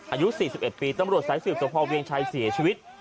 อายุ๔๑ปีตำรวจใส่สืบตัวพ่อเวียงชัยเสียชีวิต